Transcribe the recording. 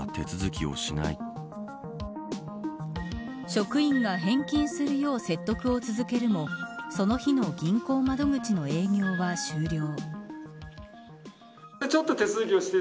職員が返金するよう説得を続けるもその日の銀行窓口の営業は終了。